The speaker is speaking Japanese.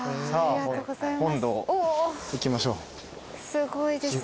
すごいですね。